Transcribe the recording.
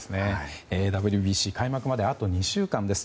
ＷＢＣ開幕まであと２週間です。